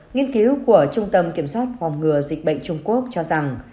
nghiên cứu của trung tâm kiểm soát phòng ngừa dịch bệnh trung quốc cho rằng